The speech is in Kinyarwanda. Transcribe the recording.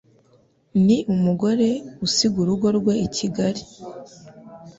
Ni umugore usiga urugo rwe i Kigali